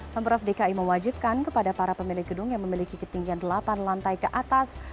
pemprov dki mewajibkan kepada para pemilik gedung yang memiliki ketinggian delapan lantai ke atas